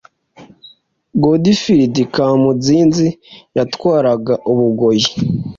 Godifridi Kamunzinzi yatwaraga Ubugoyi